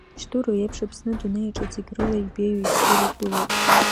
Ишдыру еиԥш, Аԥсны адунеи аҿы зегь рыла ибеиоу, иссиру тәылоуп…